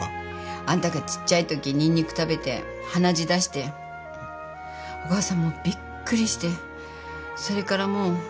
あんたがちっちゃいときニンニク食べて鼻血出してお母さんもうびっくりしてそれからもう怖くて入れてない。